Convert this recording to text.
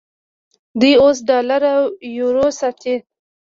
دوی اوس ډالر او یورو ساتي.